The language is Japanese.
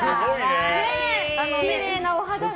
きれいなお肌が。